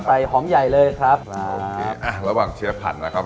ใส่หอมใหญ่เลยครับโอเคอ่าระหว่างเชื้อผัดนะครับ